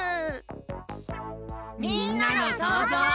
みんなのそうぞう。